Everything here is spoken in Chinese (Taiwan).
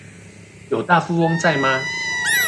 有大富翁在嗎